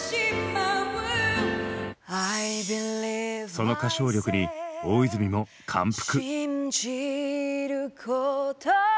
その歌唱力に大泉も感服！